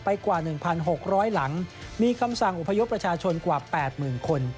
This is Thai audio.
กว่า๑๖๐๐หลังมีคำสั่งอพยพประชาชนกว่า๘๐๐๐คน